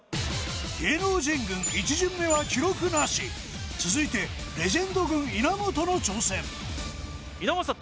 芸能人軍１巡目は記録なし続いてレジェンド軍稲本の挑戦稲本さん